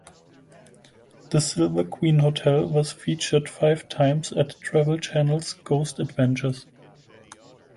The Silver Queen Hotel was featured five times at Travel Channel’s Ghost Adventures.